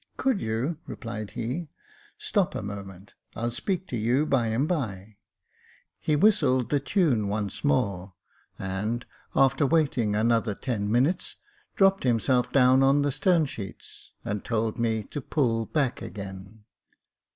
" Could you ?" replied he. *' Stop a moment ; I'll speak to you by and bye." He whistled the tune once more, and, after waiting another ten minutes, dropped himself down on the stern sheets, and told me to pull back again.